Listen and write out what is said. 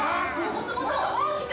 もっともっと、大きく！